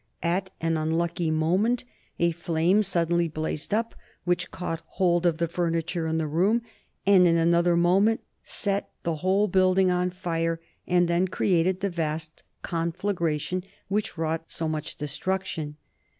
At an unlucky moment a flame suddenly blazed up which caught hold of the furniture in the room, and in another moment set the whole building on fire, and then created the vast conflagration which wrought so much destruction.